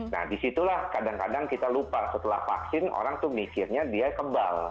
nah disitulah kadang kadang kita lupa setelah vaksin orang tuh mikirnya dia kebal